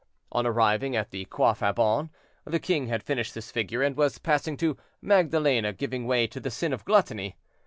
On arriving at the Croix Faubin, the king had finished this figure, and was passing to "Magdalene giving way to the sin of gluttony."